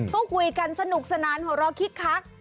ก็คุยกันสนุกสนานหัวเราะคิกคัก